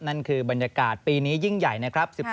นั่นคือบรรยากาศปีนี้ยิ่งใหญ่นะครับ